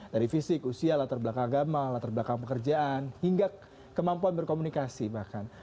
dari fisik usia latar belakang agama latar belakang pekerjaan hingga kemampuan berkomunikasi bahkan